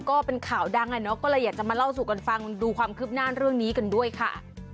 ก็เป็นข่าวดังอ่ะเนอะก็เลยอยากจะมาเล่าสู่กันฟังดูความคืบหน้าเรื่องนี้กันด้วยค่ะ